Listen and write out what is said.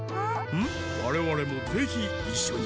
われわれもぜひいっしょに。